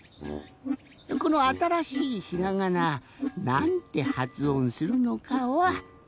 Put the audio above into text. このあたらしいひらがななんてはつおんするのかは。